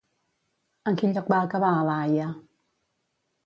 En quin lloc va acabar a la Haia?